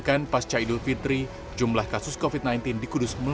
kisahnya waktu itu menembus lebih dari dua lima ratus kasus aktif